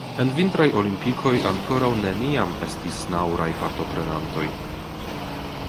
En vintraj olimpikoj ankoraŭ neniam estis nauraj partoprenantoj.